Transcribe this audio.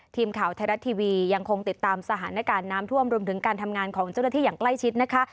ทีมข่าวไทยรัฐทีวียังคงติดตามสถานการณ์น้ำท่วมรวมถึงการทำงานของเจ้าหน้าที่อย่างใกล้ชิดนะคะ